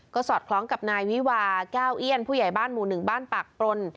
ก็สอดคล้องกับนายวิวาแก้วเอี้ยนผู้ใหญ่บ้านหมู่๑บ้านปากปรน